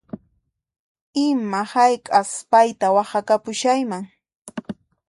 Ima hayk'as payta waqhakapushayman